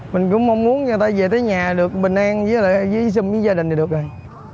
mình cũng mong muốn người ta về tới nhà được bình an với xin với gia đình thì được rồi